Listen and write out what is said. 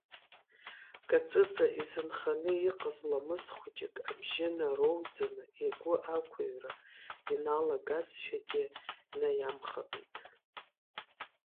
Каҵыҵа изынханы иҟаз ламыс хәыҷык абжьы нароуӡаны игәы ақәыҩра иналагазшәагьы наиамхабеит.